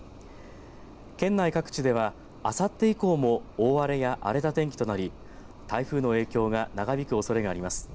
県内各地では、あさって以降も大荒れや荒れた天気となり台風の影響が長引くおそれがあります。